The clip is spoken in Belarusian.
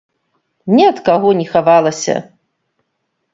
Ні ад каго не хавалася.